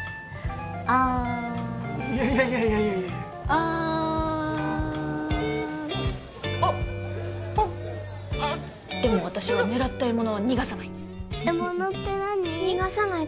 あっあっ熱っでも私は狙った獲物は逃がさないえ